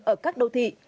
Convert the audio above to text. ở các đô thị